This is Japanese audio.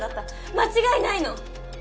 間違いないの！